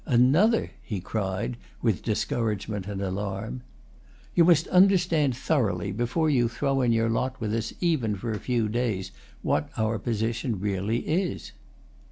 "Another?" he cried, with discouragement and alarm. "You must understand thoroughly, before you throw in your lot with us even for a few days, what our position really is."